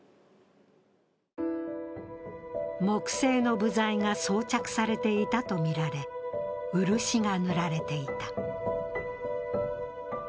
木製の部材が装着されていたとみられ、漆が塗られていた。